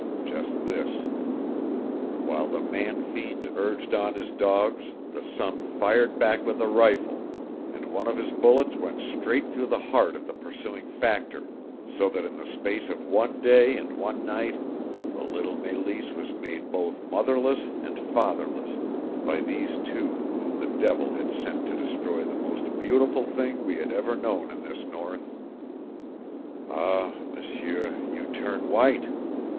Just this: While the man fiend urged on his dogs the son fired back with a rifle, and one of his bullets went straight through the heart of the pursuing Factor, so that in the space of one day and one night the little Meleese was made both motherless and fatherless by these two whom the devil had sent to destroy the most beautiful thing we have ever known in this North. Ah, M'seur, you turn white!